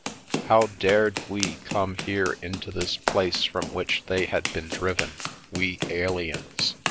How dared we come here into this place from which they had been driven, we aliens?